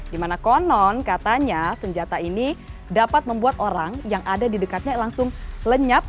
dimana konon katanya senjata ini dapat membuat orang yang ada di dekatnya langsung lenyap